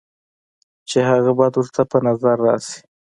چې هغه بد ورته پۀ نظر راشي،